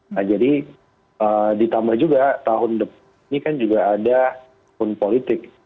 nah jadi ditambah juga tahun depan ini kan juga ada pun politik